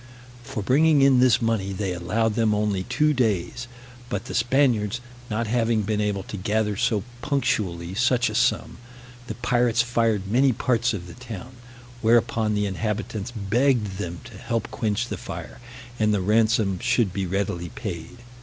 For bringing in this money, they allowed them only two days; but the Spaniards not having been able to gather so punctually such a sum, the pirates fired many parts of the town; whereupon the inhabitants begged them to help quench the fire, and the ransom should be readily paid.